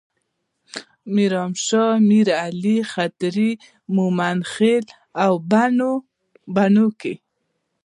میرانشاه، میرعلي، خدري، ممندخیل او بنو کې.